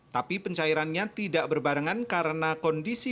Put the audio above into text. tapi pencairannya tidak berbarengan karena kondisi ke tiga belas